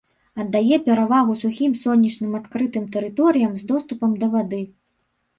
Аддае перавагу сухім сонечным адкрытым тэрыторыям з доступам да вады.